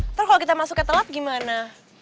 ntar kalo kita masuknya telat gimana